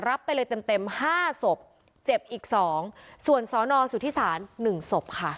ไปเลยเต็มเต็มห้าศพเจ็บอีกสองส่วนสอนอสุทธิศาลหนึ่งศพค่ะ